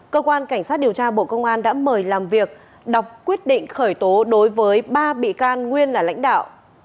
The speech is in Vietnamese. cơ quan cảnh sát điều tra bộ công an đã mời làm việc đọc quyết định khởi tố đối với ba bị can nguyên là lãnh đạo